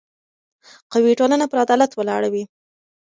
قوي ټولنه پر عدالت ولاړه وي